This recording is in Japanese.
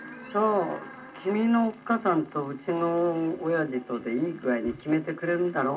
君のおっかさんとうちの親父とでいい具合に決めてくれるんだろ？